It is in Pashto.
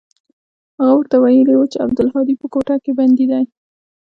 هغه ورته ويلي و چې عبدالهادي په کوټه کښې بندي دى.